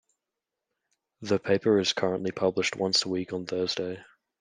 The paper is currently published once a week on Thursday.